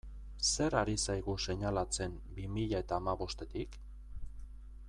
Zer ari zaigu seinalatzen bi mila eta hamabostetik?